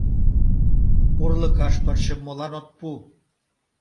— Урлыкаш пырчым молан от пу?!